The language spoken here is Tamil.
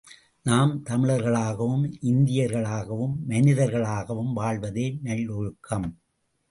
நாம் தமிழர்களாகவும் இந்தியர்களாகவும் மனிதர்களாகவும் வாழ்வதே நல்லொழுக்கம்.